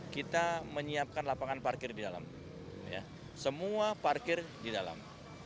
kita menyiapkan lapangan parkir di dalam semua parkir di dalam